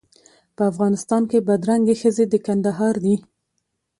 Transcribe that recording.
په افغانستان کې بدرنګې ښځې د کندهار دي.